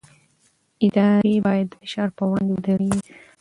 ادارې باید د فشار پر وړاندې ودرېږي